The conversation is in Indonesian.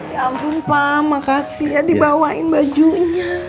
ya ampun pak makasih ya dibawain bajunya